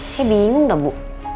saya bingung dah bu